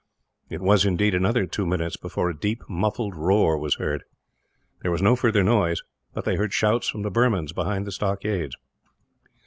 It was, indeed, another two minutes before a deep muffled roar was heard. There was no further noise, but they heard shouts from the Burmans, behind the stockades.